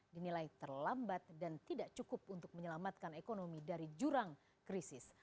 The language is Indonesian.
dinilai terlambat dan tidak cukup untuk menyelamatkan ekonomi dari jurang krisis